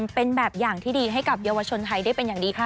เป็นแบบอย่างที่ดีให้กับเยาวชนไทยได้เป็นอย่างดีค่ะ